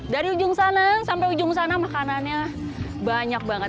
dari ujung sana sampai ujung sana makanannya banyak banget